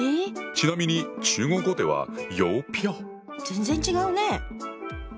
⁉ちなみに中国語では全然違うね。